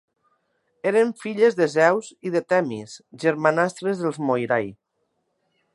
Eren filles de Zeus i de Themis, germanastres dels Moirai.